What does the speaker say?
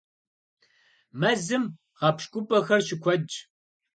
Мэзым гъэпщкӀупӀэхэр щыкуэдщ.